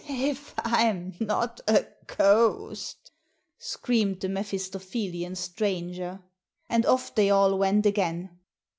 "If Fm not a ghost!" screamed the Mephisto phelian stranger. And off they all went again.